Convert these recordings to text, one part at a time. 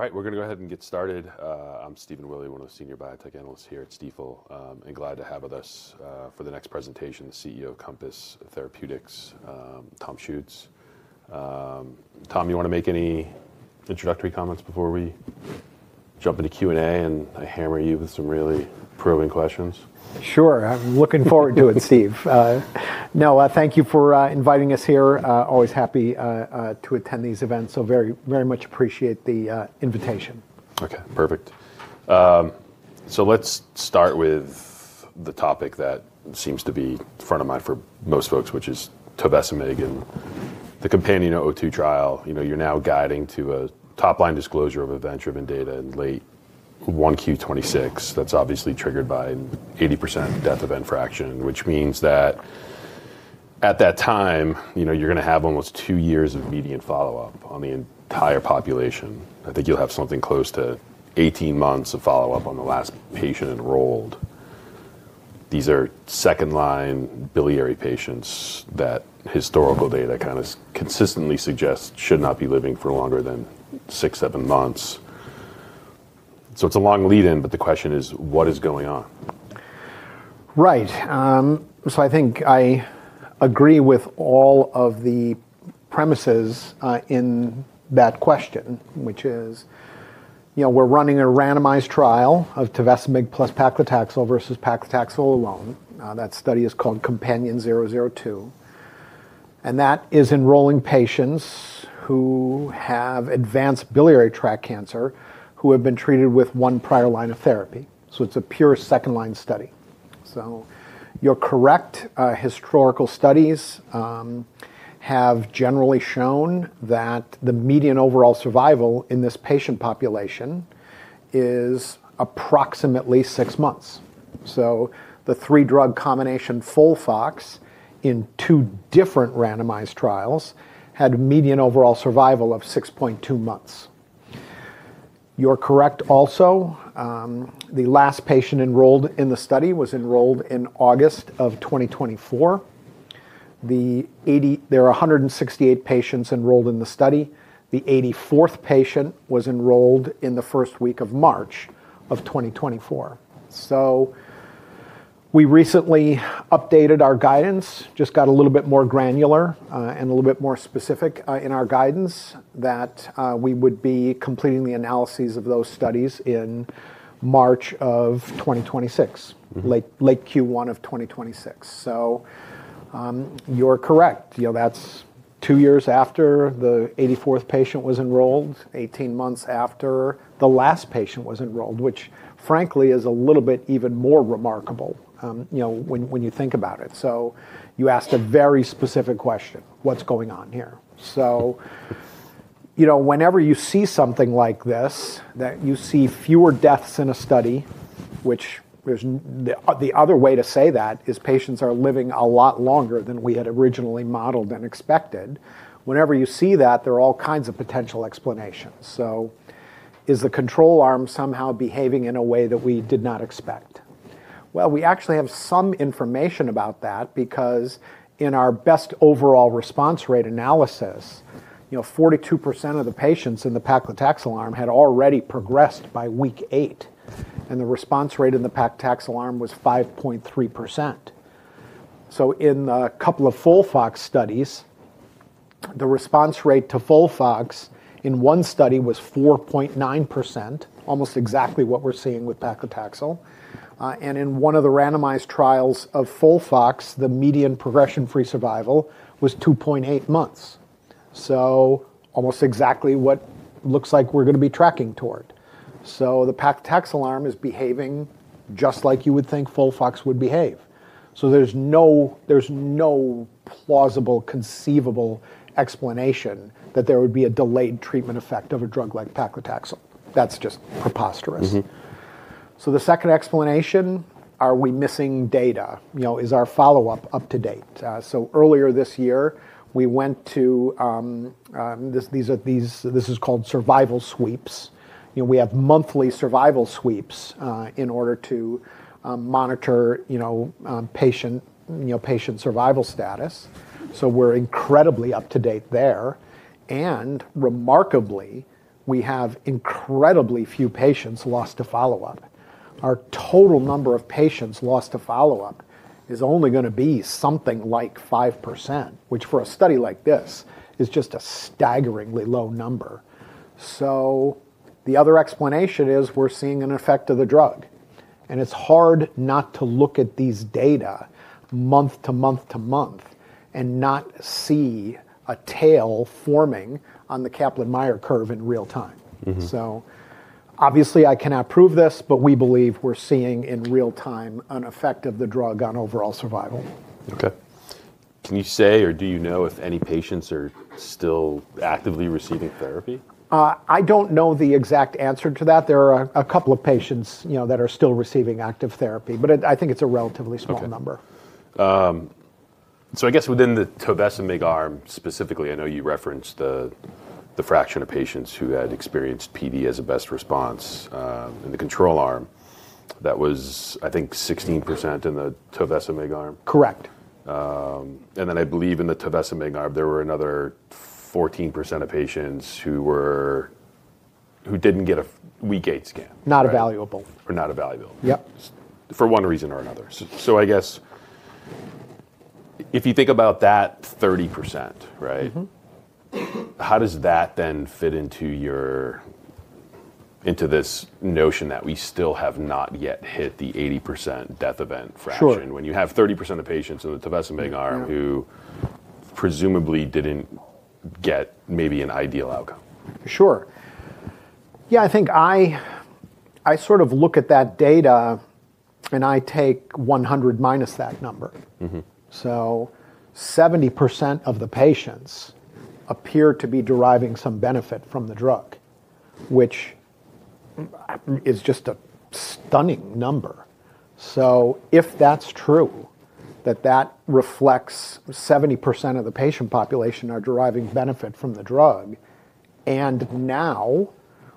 All right, we're going to go ahead and get started. I'm Stephen Willey, one of the senior biotech analysts here at Stifel and glad to have with us for the next presentation the CEO of Compass Therapeutics, Tom Schuetz. Tom, you want to make any introductory comments before we jump into Q&A and hammer you with some really probing questions? Sure, I'm looking forward to it. Steve? No, thank you for inviting us here. Always happy to attend these events. Very, very much appreciate the invitation. Okay, perfect. Let's start with the topic that seems to be front of mind for most folks, which is Tovecimig and the COMPANION-002 trial. You know, you're now guiding to a top line disclosure of event driven data in late 1Q 2026 that's obviously triggered by 80% death event fraction, which means that at that time, you know, you're going to have almost two years of median follow up on the. I think you'll have something close to 18 months of follow up on the last patient enrolled. These are second line biliary patients that historical data kind of consistently suggest should not be living for longer than six, seven months. It's a long lead in. The question is what is going on? Right. I think I agree with all of the premises in that question, which is, you know, we're running a randomized trial of Tovecimig plus Paclitaxel versus Paclitaxel alone. That study is called COMPANION-002 and that is enrolling patients who have Advanced Biliary Tract Cancer who have been treated with one prior line of therapy. It is a pure second line study. You're correct, historical studies have generally shown that the Median Overall Survival in this patient population is approximately six months. The three drug combination FOLFOX in two different randomized trials had median overall survival of 6.2 months. You're correct. Also, the last patient enrolled in the study was enrolled in August of 2024. There are 168 patients enrolled in the study. The 84th patient was enrolled in the first week of March of 2024. We recently updated our guidance, just got a little bit more granular and a little bit more specific in our guidance that we would be completing the analyses of those studies in March of 2026, late Q1 of 2026. You're correct. That's two years after the 84th patient was enrolled, 18 months after the last patient was enrolled, which frankly is a little bit even more remarkable when you think about it. You asked a very specific question. What's going on here? Whenever you see something like this, that you see fewer deaths in a study, which the other way to say that is patients are living a lot longer than we had originally modeled and expected. Whenever you see that, there are all kinds of potential explanations. Is the control arm somehow behaving in a way that we did not expect? We actually have some information about that because in our Best Overall Response Rate Analysis, you know, 42% of the patients in the Paclitaxel Arm had already progressed by week eight. The response rate in the paclitaxel arm was 5.3%. In a couple of FOLFOX studies, the response rate to FOLFOX in one study was 4.9%, almost exactly what we are seeing with paclitaxel. In one of the randomized trials of FOLFOX, the median progression-free survival was 2.8 months, so almost exactly what looks like we are going to be tracking toward. The paclitaxel arm is behaving just like you would think FOLFOX would behave. There is no plausible conceivable explanation that there would be a delayed treatment effect of a drug like paclitaxel. That is just preposterous. The second explanation: are we missing data? You know, is our follow-up up to date? Earlier this year we went to. This is called survival sweeps. We have monthly survival sweeps in order to monitor patient survival status. We're incredibly up to date there. Remarkably, we have incredibly few patients lost to follow up. Our total number of patients lost to follow up is only going to be something like 5%, which for a study like this is just a staggeringly low number. The other explanation is we're seeing an effect of the drug and it's hard not to look at these data month to month to month and not see a tail forming on the Kaplan Meier curve in real time. Obviously I cannot prove this, but we believe we're seeing in real time an effect of the drug on overall survival. Okay, can you say or do you know if any patients are still actively receiving therapy? I don't know the exact answer to that. There are a couple of patients that are still receiving active therapy, but I think it's a relatively small number. I guess within the Tovecimig Arm specifically, I know you referenced the fraction of patients who had experienced PD as a best response in the control arm. That was, I think, 16% in the Tovecimig Arm. Correct. I believe in the Tovecimig Arm there were another 14% of patients who didn't get a week 8 scan. Not a valuable or. Not a valuable. Yep. For one reason or another. I guess if you think about that 30%. Right. How does that then fit into your, into this notion that we still have not yet hit the 80% death event fraction when you have 30% of patients in the tubes and beg arm who presumably didn't get maybe an ideal outcome? Sure. Yeah. I think I sort of look at that data and I take 100 minus that number. So 70% of the patients appear to be deriving some benefit from the drug, which is just a stunning number. If that's true, that that reflects 70% of the patient population are deriving benefit from the drug and now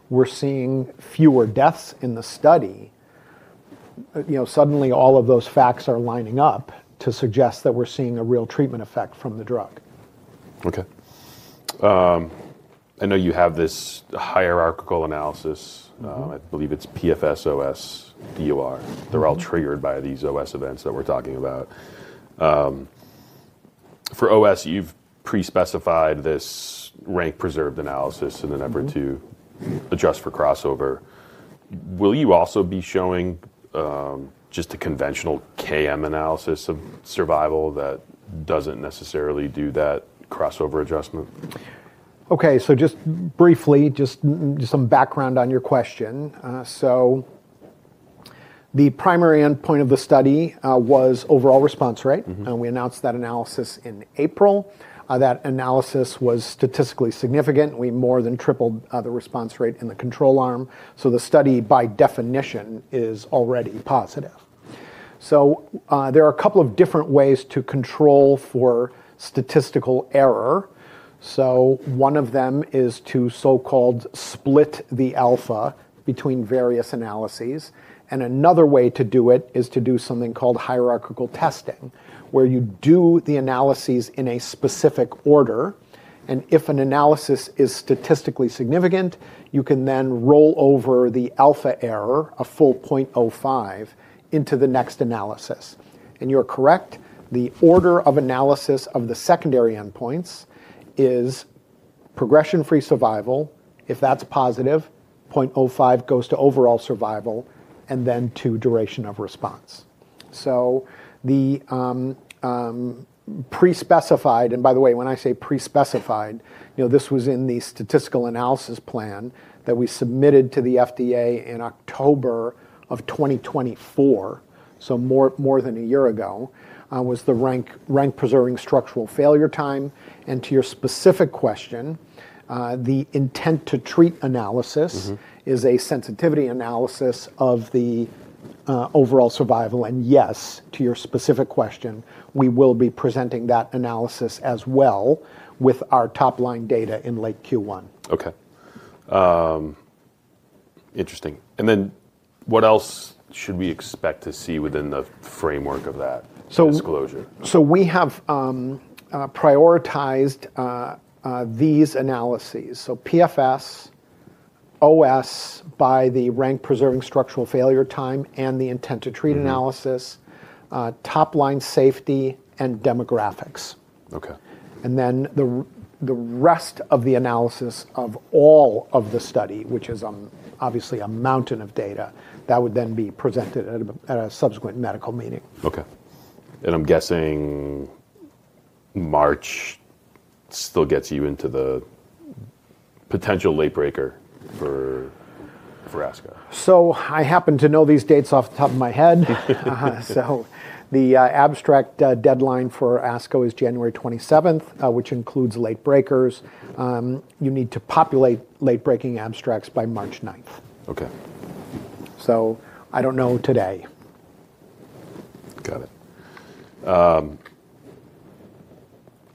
we're seeing fewer deaths in the study. You know, suddenly all of those facts are lining up to suggest that we're seeing a real treatment effect from the drug. Okay, I know you have this Hierarchical Analysis. I believe it's PFS, OS, DOR, they're all triggered by these OS events that we're talking about. For OS, you've pre-specified this rank preserved analysis in an effort to adjust for crossover. Will you also be showing just a conventional KM analysis of survival that doesn't necessarily do that crossover adjustment? Okay, so just briefly, just some background on your question. The primary endpoint of the study was overall response rate and we announced that analysis in April. That analysis was statistically significant. We more than tripled the response rate in the control arm. The study by definition is already positive. There are a couple of different ways to control for statistical error. One of them is to so-called split the alpha between various analyses. Another way to do it is to do something called hierarchical testing where you do the analyses in a specific order and if an analysis is statistically significant, you can then roll over the alpha error a full 0.05 into the next analysis. You're correct. The order of analysis of the secondary endpoints is progression-free survival. If that's positive, 0.05 goes to overall survival and then to duration of response. The pre specified, and by the way, when I say pre specified, this was in the statistical analysis plan that we submitted to the FDA in October of 2024, so more than a year ago, was the rank preserving structural failure time. To your specific question, the intent to treat analysis is a sensitivity analysis of the overall survival. Yes, to your specific question, we will be presenting that analysis as well with our top line data in late Q1. Okay, interesting. What else should we expect to see within the framework of that disclosure? We have prioritized these analyses. PFS, OS by the rank preserving structural failure time and the intent-to-treat analysis, top-line safety and demographics. Okay. The rest of the analysis of all of the study, which is obviously a mountain of data, would then be presented at a subsequent medical meeting. Okay, I'm guessing March still gets you into the potential late breaker for ASCO. I happen to know these dates off the top of my head. The abstract deadline for ASCO is January 27, which includes late breakers. You need to populate late breaking abstracts by March 9. Okay, I do not know today. Got it.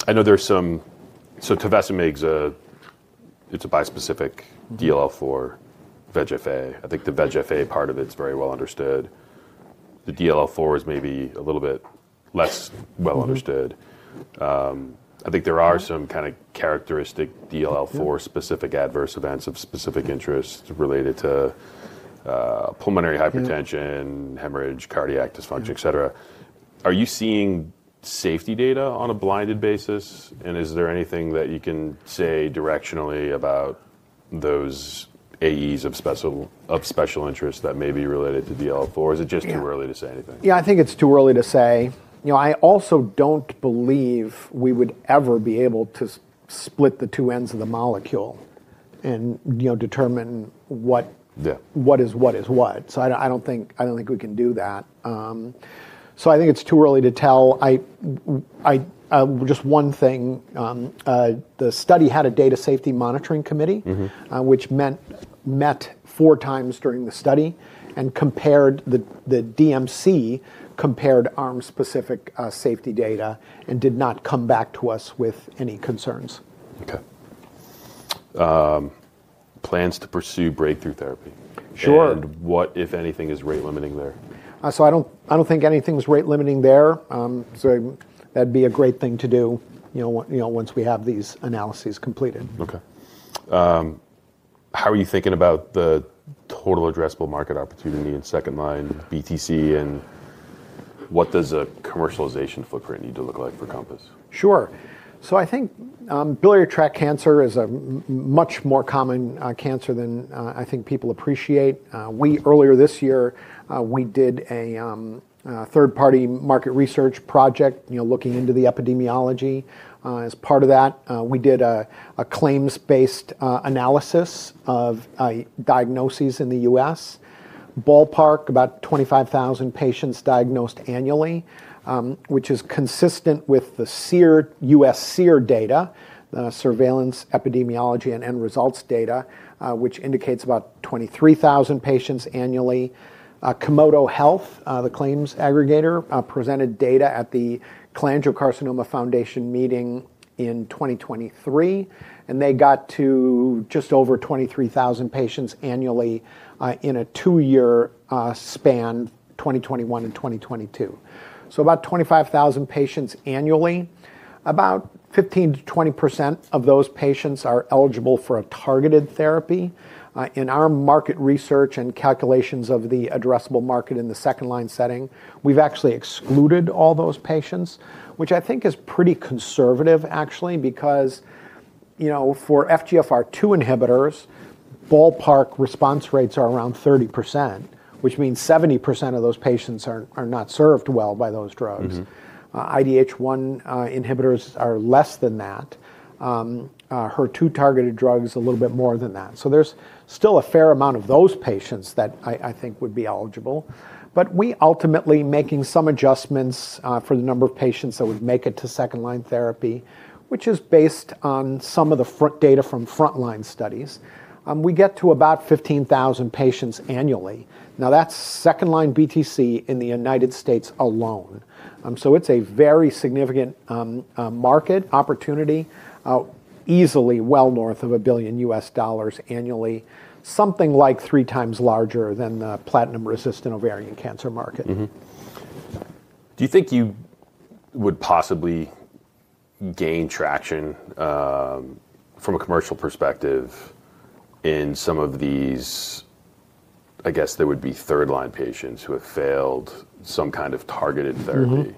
I know there's some. So Tovecimig 's a. It's a Bispecific DLL4 VEGF-A. I think the VEGF-A part of it is very well understood. The DLL4 is maybe a little bit less well understood. I think there are some kind of characteristic DLL4-specific Adverse Events of specific interest related to Pulmonary Hypertension, Hemorrhage, Cardiac Dysfunction, et cetera. Are you seeing safety data on a blinded basis? Is there anything that you can say directionally about those AEs of special, of special interest that may be related to DLL4? Is it just too early to say anything? Yeah, I think it's too early to say. You know, I also don't believe we would ever be able to split the two ends of the molecule and, you know, determine what is what. So I don't think, I don't think we can do that. I think it's too early to tell. I, I just one thing. The study had a Data Safety Monitoring Committee which met four times during the study and compared the DMC, compared arm-specific safety data and did not come back to us with any concerns. Okay. Plans to pursue breakthrough therapy. Sure. What, if anything, is rate limiting there? I don't think anything's rate limiting there. That'd be a great thing to do. Once we have these analyses completed, how. Are you thinking about the total addressable market opportunity in second line BTC? What does a commercialization footprint need to look like for Compass? Sure. I think Biliary Tract Cancer is a much more common cancer than I think people appreciate. Earlier this year we did a third party market research project looking into the epidemiology. As part of that we did a claims based analysis, diagnoses in the U.S. Ballpark, about 25,000 patients diagnosed annually, which is consistent with the U.S. SEER data, Surveillance, Epidemiology, and End Results data, which indicates about 23,000 patients annually. Komodo Health, the claims aggregator, presented data at the Cholangiocarcinoma Foundation meeting in 2023 and they got to just over 23,000 patients annually in a two year span, 2021 and 2022. About 25,000 patients annually, about 15-20% of those patients are eligible for a Targeted therapy. In our market research and calculations of the addressable market in the second line setting, we've actually excluded all those patients, which I think is pretty conservative actually because for FGFR2 inhibitors, ballpark response rates are around 30%, which means 70% of those patients are not served well by those drugs. IDH1 inhibitors are less than that, her two targeted drugs a little bit more than that. There is still a fair amount of those patients that I think would be eligible. We ultimately, making some adjustments for the number of patients that would make it to second line therapy, which is based on some of the data from front line studies, get to about 15,000 patients annually. Now that's second line BTC in the United States alone. It's a very significant market opportunity, easily well north of a billion US dollars annually, something like three times larger than the platinum resistant ovarian cancer market. Do you think you would possibly gain traction from a commercial perspective in some of these? I guess there would be third line patients who have failed some kind of targeted therapy.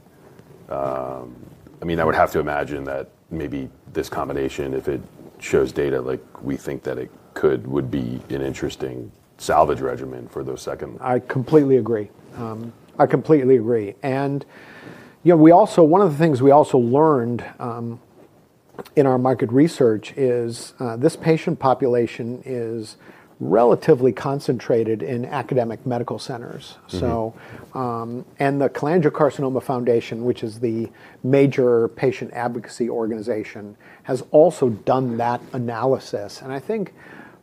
I mean I would have to imagine that maybe this combination, if it shows data like we think that it could, would be an interesting salvage regimen for those second. I completely agree, I completely agree. And you know, we also. One of the things we also learned in our market research is this patient population is relatively concentrated in academic medical centers, so. And the Cholangiocarcinoma Foundation, which is the major patient advocacy organization, has also done that analysis. I think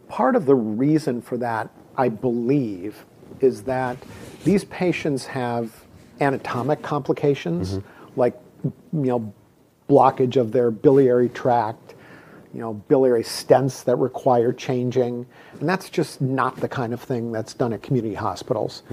part of the reason for that I believe is that these patients have anatomic complications like, you know, blockage of their biliary tract, you know, biliary stents that require changing. That is just not the kind of thing that is done at community hospitals.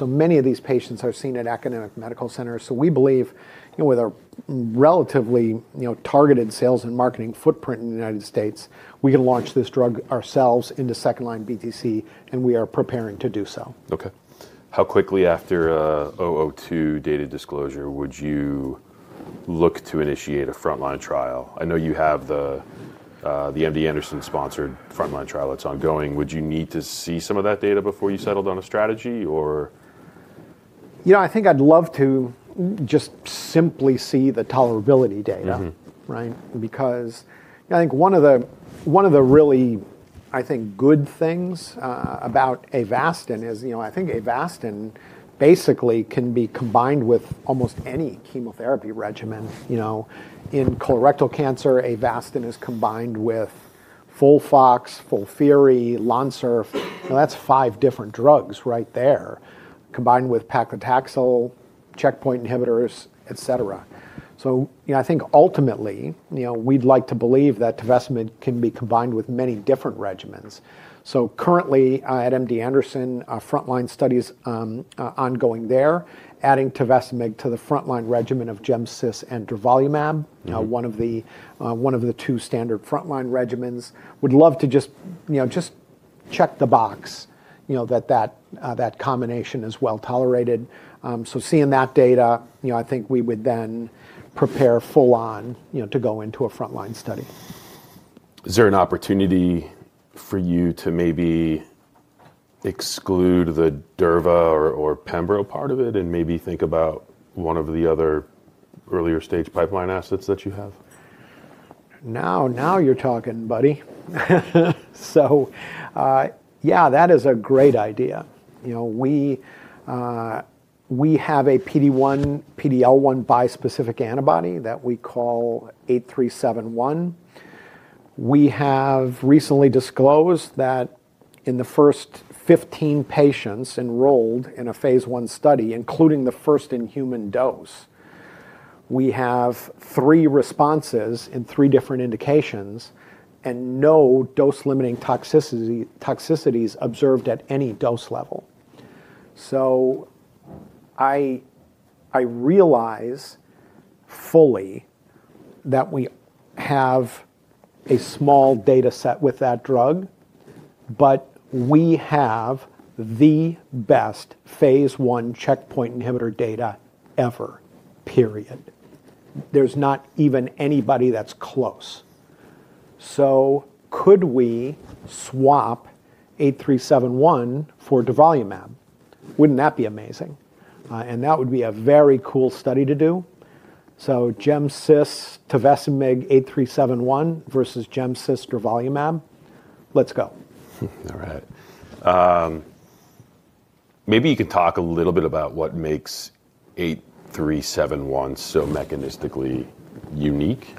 Many of these patients are seen at academic medical centers. We believe with our relatively targeted sales and marketing footprint in the United States, we can launch this drug ourselves into second line BTC. We are preparing to do so. Okay, how quickly after 002 data disclosure, would you look to initiate a frontline trial? I know you have the MD Anderson sponsored frontline trial that's ongoing. Would you need to see some of that data before you settled on a strategy? You know, I think I'd love to just simply see the Tolerability data. Right. Because I think one of the really, I think good things about Avastin is, you know, I think Avastin basically can be combined with almost any Chemotherapy regimen. You know, in Colorectal cancer, Avastin is combined with FOLFOX, FOLFIRI, Lonsurf. That's five different drugs right there. Combined with Paclitaxel, Checkpoint inhibitors, et cetera. I think ultimately we'd like to believe that Tovecimig can be combined with many different regimens. Currently at MD Anderson, frontline studies ongoing there, adding Tovecimig to the frontline regimen of GemCis and Durvalumab, one of the two standard frontline regimens. Would love to just check the box. That combination is well tolerated. Seeing that data, I think we would then prepare full on to go into a frontline study. Is there an opportunity for you to maybe exclude the Durva or Pembro part of it and maybe think about one of the other earlier stage pipeline assets? That you have now. Now you're talking, buddy. Yeah, that is a great idea. You know, we have a PD-1, PD-L1 Bispecific Antibody that we call 8371. We have recently disclosed that in the first 15 patients enrolled in a phase one study, including the first in human dose, we have three responses in three different indications and no dose limiting toxicities observed at any dose level. I realize fully that we have a small data set with that drug, but we have the best phase one Checkpoint inhibitor data ever, period. There's not even anybody that's close. Could we swap 8371 for durvalumab? Wouldn't that be amazing? That would be a very cool study to do. GemCis, Tovecimig 8371 versus GemCis Durvalumab. Let's go. All right, maybe you can talk a little bit about what makes 8371 so mechanistically unique,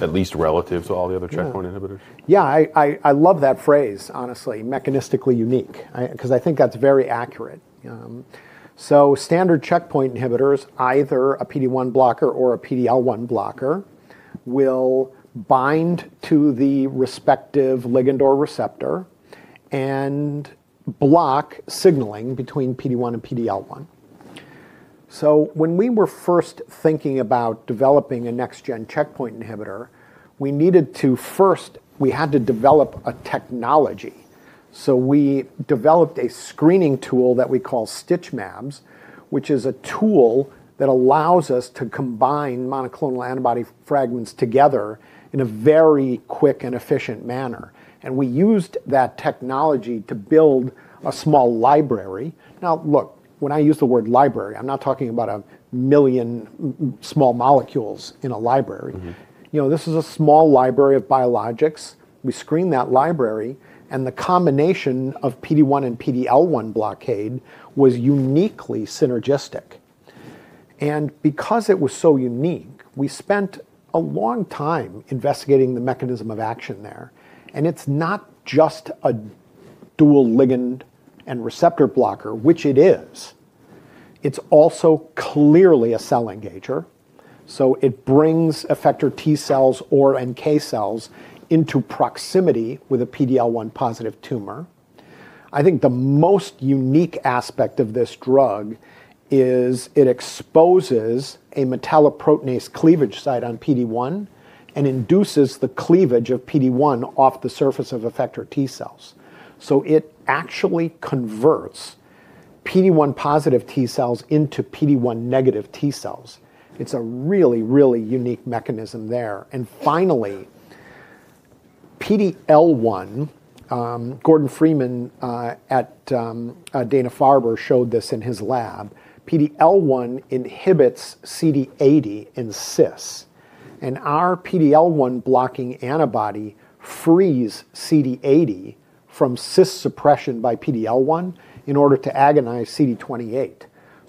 at least relative to all the other Checkpoint inhibitors. Yeah, I love that phrase, honestly, mechanistically unique because I think that's very accurate. Standard Checkpoint inhibitors, either a PD-1 blocker or a PD-L1 blocker, will bind to the respective ligand or receptor and block signaling between PD-1 and PD-L1. When we were first thinking about developing a next-gen Checkpoint inhibitor, we needed to first develop a technology. We developed a screening tool that we call Stitchmabs, which is a tool that allows us to combine monoclonal antibody fragments together in a very quick and efficient manner. We used that technology to build a small library. Now, look, when I use the word library, I'm not talking about a million small molecules in a library. You know, this is a small library of biologics. We screen that library. The combination of PD-1 and PD-L1 blockade was uniquely synergistic. Because it was so unique, we spent a long time investigating the mechanism of action there. It is not just a dual ligand and receptor blocker, which it is. It is also clearly a cell engager. It brings effector T cells or NK cells into proximity with a PD-L1 positive tumor. I think the most unique aspect of this drug is it exposes a metalloproteinase cleavage site on PD-1 and induces the cleavage of PD-1 off the surface of effector T cells. It actually converts PD-1 positive T cells into PD-1 negative T cells. It is a really, really unique mechanism there. Finally, PD-L1. Gordon Freeman at Dana-Farber showed this in his lab. PD-L1 inhibits CD80 in cysts, and our PD-L1 blocking antibody frees CD80 from cyst suppression by PD-L1 in order to agonize CD28.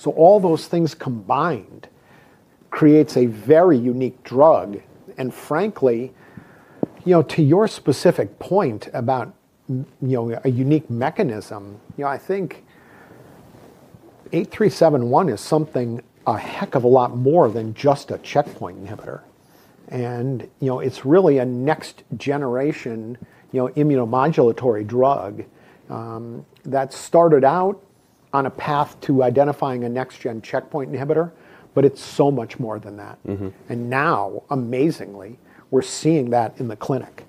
All those things combined creates a very unique drug. Frankly, to your specific point about a unique mechanism, I think 8371 is something a heck of a lot more than just a Checkpoint inhibitor. It is really a next generation immunomodulatory drug that started out on a path to identifying a next gen Checkpoint inhibitor. It is so much more than that. Amazingly, we are seeing that in the clinic.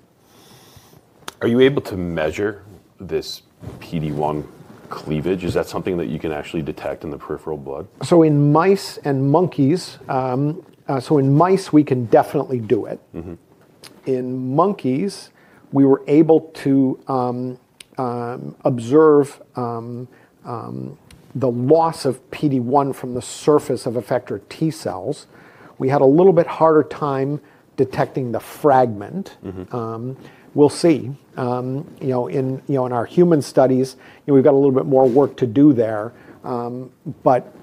Are you able to measure this PD-1 cleavage? Is that something that you can actually detect in the peripheral blood? In mice and monkeys. In mice, we can definitely do it. In monkeys, we were able to observe the loss of PD-1 from the surface of effector T cells. We had a little bit harder time detecting the fragment. We'll see in our human studies. We've got a little bit more work to do there, but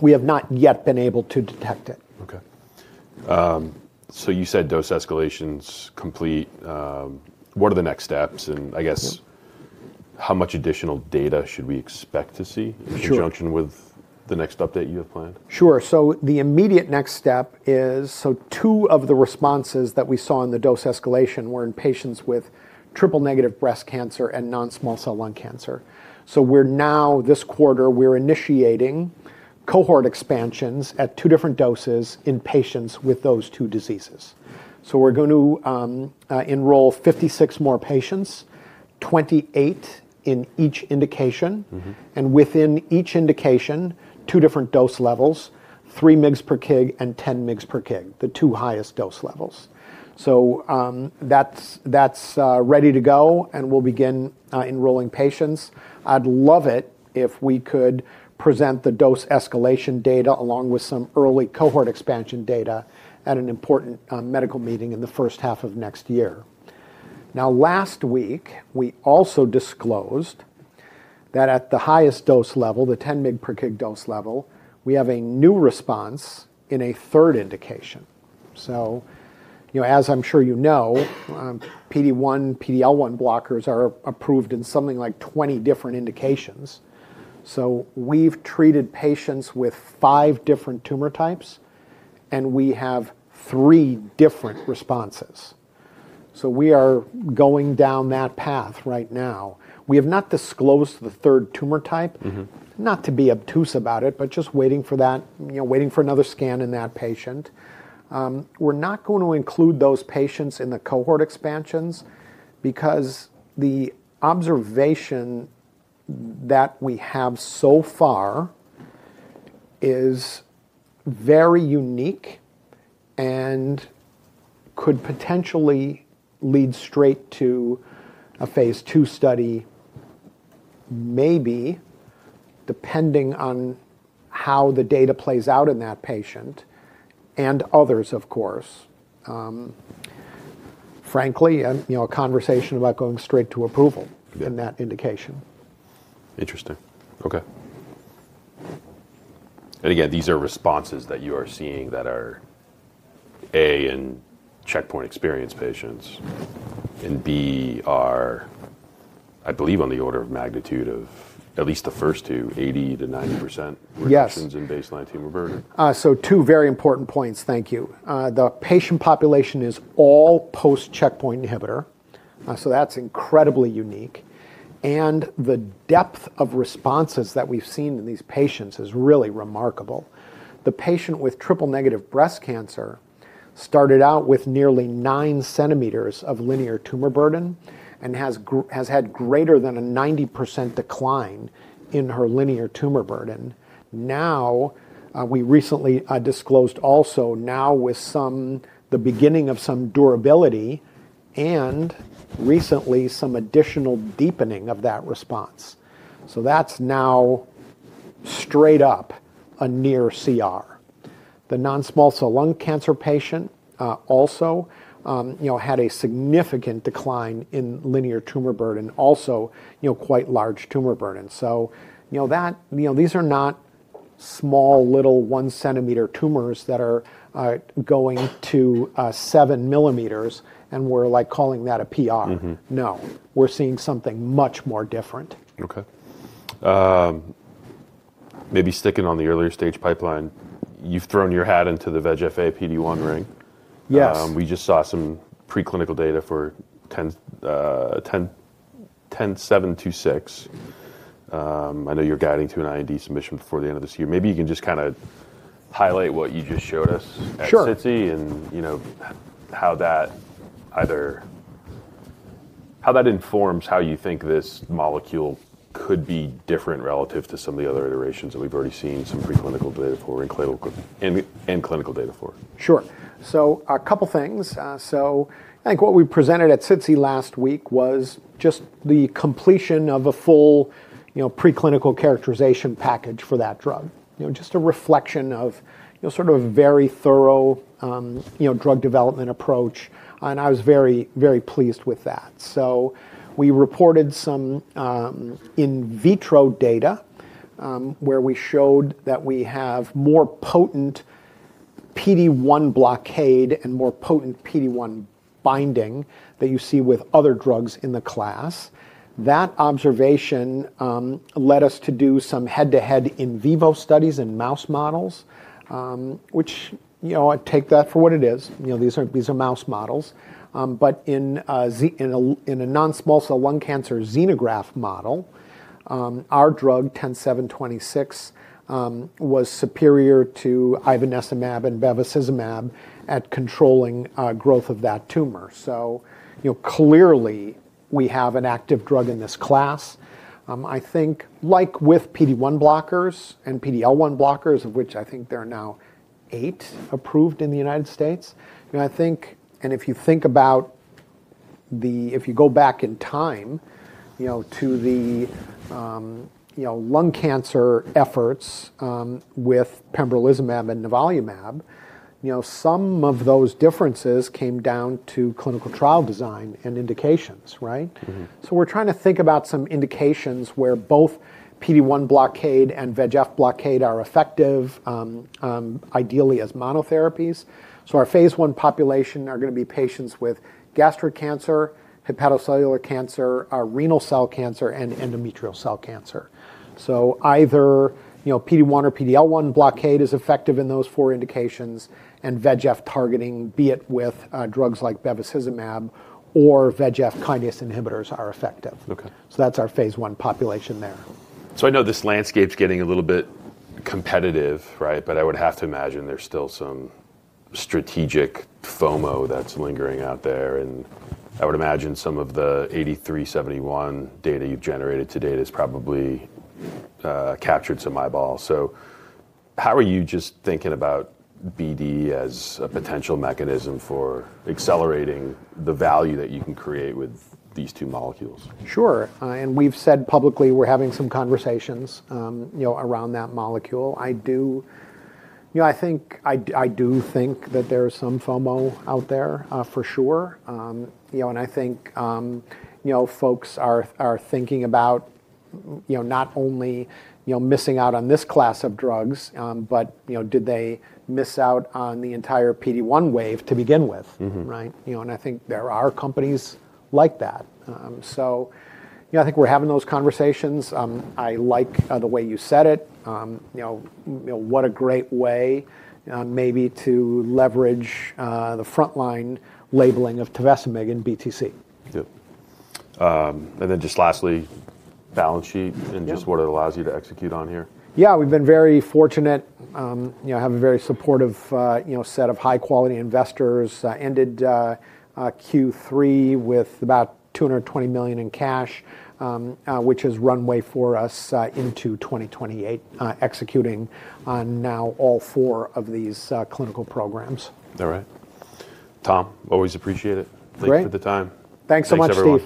we have not yet been able to detect it. Okay, so you said dose escalation's complete. What are the next steps and I guess how much additional data should we expect to see in conjunction with the next update you have planned? Sure. The immediate next step is, two of the responses that we saw in the dose escalation were in patients with triple negative breast cancer and non small cell lung cancer. We are now, this quarter, initiating cohort expansions at two different doses in patients with those two diseases. We are going to enroll 56 more patients, 28 in each indication, and within each indication, two different dose levels, 3 mg per kg and 10 mg per kg, the two highest dose levels. That is ready to go and we will begin enrolling patients. I would love it if we could present the dose escalation data along with some early cohort expansion data at an important medical meeting in the first half of next year. Now, last week we also disclosed that at the highest dose level, the 10 milligrams per kilogram dose level, we have a new response in a third indication. As I'm sure you know, PD-1, PD-L1 blockers are approved in something like 20 different indications. We have treated patients with five different tumor types and we have three different responses. We are going down that path right now. We have not disclosed the third tumor type. Not to be obtuse about it, but just waiting for that, waiting for another scan in that patient. We're not going to include those patients in the cohort expansions because the observation that we have so far is very unique and could potentially lead straight to a phase two study, maybe depending on how the data plays out in that patient and others, of course, frankly, a conversation about going straight to approval in that indication. Interesting. Okay. Again, these are responses that you are seeing that are A, in checkpoint-experienced patients and B, are, I believe, on the order of magnitude of at least the first two, 80-90% reductions in baseline tumor burden. Two very important points. Thank you. The patient population is all post Checkpoint inhibitor, so that's incredibly unique. The depth of responses that we've seen in these patients is really remarkable. The patient with triple negative breast cancer started out with nearly 9 cm of linear tumor burden and has had greater than a 90% decline in her linear tumor burden. Now we recently disclosed, also now with some, the beginning of some durability and recently some additional deepening of that response. That's now straight up a near CR. The non-small cell lung cancer patient also had a significant decline in linear tumor burden, also, you know, quite large tumor burden. You know that, you know, these are not small little 1 cm tumors that are going to 7 millimeters. We're like calling that a PR. No, we're seeing something much more different. Okay. Maybe sticking on the earlier stage pipeline, you've thrown your hat into the VEGF-A PD-1 ring. Yes. We just saw some preclinical data for 10726. I know you're guiding to an IND submission before the end of this year. Maybe you can just kind of highlight what you just showed us at CITC. And you know, how that either how that informs, how you think this molecule could be different relative to some of the other iterations that we've already seen some preclinical data for and clinical data for it. Sure. A couple things. I think what we presented at CITC last week was just the completion of a full, you know, preclinical characterization package for that drug. You know, just a reflection of sort of a very thorough, you know, drug development approach. I was very, very pleased with that. We reported some in vitro data where we showed that we have more potent PD-1 blockade and more potent PD-1 binding than you see with other drugs in the class. That observation led us to do some head to head in vivo studies in mouse models, which, you know, I take that for what it is. You know, these are mouse models, but in a non-small cell lung cancer xenograft model, our drug CTX-10726 was superior to ivanezumab and bevacizumab at controlling growth of that tumor. Clearly we have an active drug in this class, I think, like with PD-1 blockers and PD-L1 blockers, of which I think there are now eight approved in the United States, I think. If you think about, if you go back in time to the lung cancer efforts with pembrolizumab and nivolumab, some of those differences came down to clinical trial design and indications. We're trying to think about some indications where both PD-1 blockade and VEGF blockade are effective, ideally as Monotherapies. Our phase one population are going to be patients with gastric cancer, Hepatocellular cancer, Renal cell cancer, and endometrial cell cancer. Either PD-1 or PD-L1 blockade is effective in those four indications and VEGF targeting, be it with drugs like bevacizumab or VEGF kinase inhibitors, are effective. That's our phase one population there. I know this landscape is getting a little bit competitive. Right. I would have to imagine there's still some strategic FOMO that's lingering out there. I would imagine some of the 8,371 data you've generated to date has probably captured some eyeballs. How are you just thinking about BD as a potential mechanism for accelerating the value that you can create with these two molecules? Sure. We have said publicly we are having some conversations around that molecule. I do think that there is some FOMO out there for sure. I think folks are thinking about not only missing out on this class of drugs, but did they miss out on the entire PD-1 wave to begin with. I think there are companies like that. I think we are having those conversations. I like the way you said it. What a great way maybe to leverage the frontline labeling of Tovecimig in BTC. Lastly, balance sheet and just what it allows you to execute on here. Yeah, we've been very fortunate. I have a very supportive set of high quality investments. Investors ended Q3 with about $220 million in cash, which has runway for us into 2028 executing on now all four of these clinical programs. All right, Tom, always appreciate it. Thank you for the time. Thanks so much, Steve.